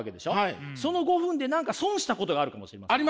その５分で何か損したことがあるかもしれません。